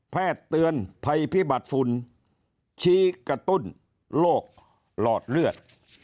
เตือนภัยพิบัติฝุ่นชี้กระตุ้นโรคหลอดเลือด